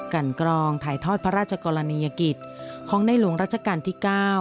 กันกรองถ่ายทอดพระราชกรณียกิจของในหลวงรัชกาลที่๙